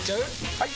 ・はい！